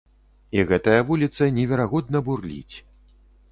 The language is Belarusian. І гэтая вуліца неверагодна бурліць.